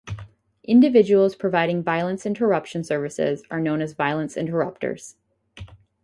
Individuals providing violence interruption services are known as violence interrupters.